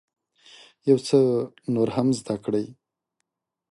یو څه نور هم زده کړئ.